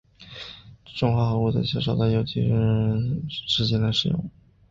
这种化合物在较少的有机合成中作为氧化性试剂来使用。